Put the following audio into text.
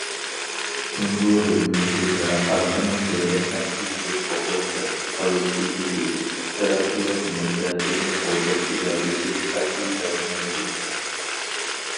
جۇڭگو ھۆكۈمىتى ۋە خەلقىنىڭ دۆلەتنىڭ ئىگىلىك ھوقۇقى، خەۋپسىزلىكى، تەرەققىيات مەنپەئەتىنى قوغداش ئىرادىسى قەتئىي تەۋرەنمەيدۇ.